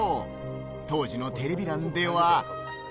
当時のテレビ欄では。